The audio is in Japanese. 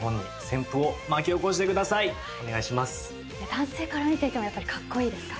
男性から見ていてもやっぱりカッコイイですか？